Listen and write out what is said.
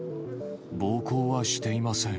暴行はしていません。